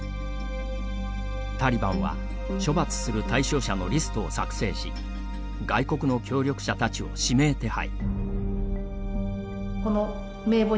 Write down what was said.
タリバンは処罰する対象者のリストを作成し外国の協力者たちを指名手配。